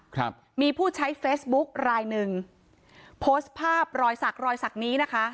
ครับมีผู้ใช้เฟซบุ๊กรายหนึ่งโพสต์ภาพรอยสักรอยสักนี้นะคะ